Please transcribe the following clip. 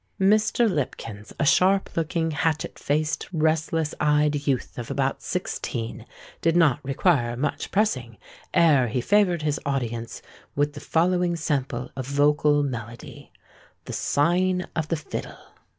Mr. Lipkins—a sharp looking, hatchet faced, restless eyed youth of about sixteen—did not require much pressing ere he favoured his audience with the following sample of vocal melody:— THE SIGN OF THE FIDDLE.